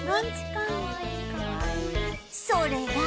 それが